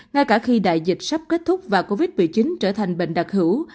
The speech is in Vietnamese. ngay cả khi đại dịch sắp kết thúc và covid một mươi chín trở thành bệnh đặc hữu